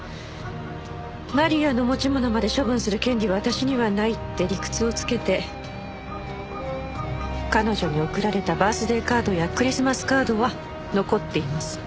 マリアの持ち物まで処分する権利は私にはないって理屈をつけて彼女に贈られたバースデーカードやクリスマスカードは残っています。